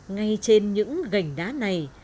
ngay trên những gành đá này